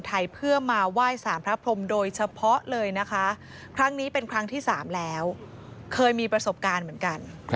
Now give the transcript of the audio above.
ทุกครั้งที่๓แล้วเคยมีประสบการณ์เหมือนกัน